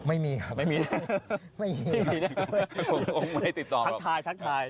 ไม่มีครับ